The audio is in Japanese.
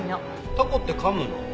タコって噛むの？